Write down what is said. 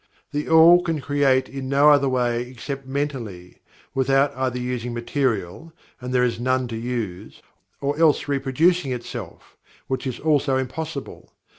THE ALL can create in no other way except mentally, without either using material (and there is none to use), or else reproducing itself (which is also impossible).